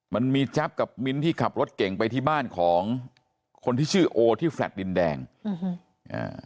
มันมีแจ๊บกับมิ้นท์ที่ขับรถเก่งไปที่บ้านของคนที่ชื่อโอที่แลตดินแดงอืมอ่า